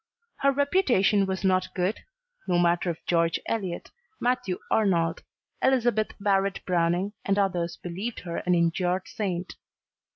Her reputation was not good, no matter if George Eliot, Matthew Arnold, Elizabeth Barrett Browning and others believed her an injured saint.